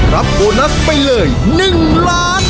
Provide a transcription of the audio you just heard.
รับโบนัสไปเลย๑ล้าน